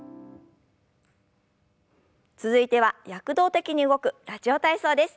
続いては躍動的に動く「ラジオ体操」です。